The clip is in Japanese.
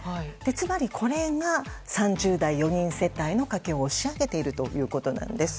つまり、これが３０代４人世帯の家計を押し上げているということなんです。